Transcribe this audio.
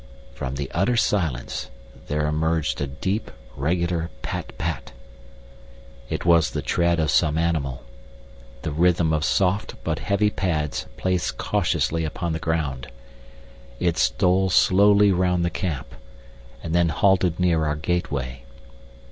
From the utter silence there emerged a deep, regular pat pat. It was the tread of some animal the rhythm of soft but heavy pads placed cautiously upon the ground. It stole slowly round the camp, and then halted near our gateway.